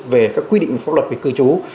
về các quy định pháp luật về cư trú